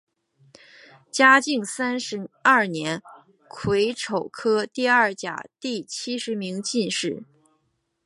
嘉靖三十二年癸丑科第二甲第七十名进士。